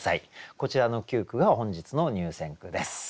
こちらの９句が本日の入選句です。